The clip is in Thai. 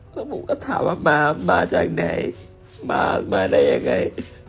ก็ผมก็ถามว่าป้ามาจากไหนมามาได้ยังไง